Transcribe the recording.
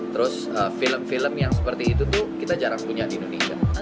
terus film film yang seperti itu tuh kita jarang punya di indonesia